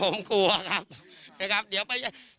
ปู่มหาหมุนีบอกว่าตัวเองอสูญที่นี้ไม่เป็นไรหรอก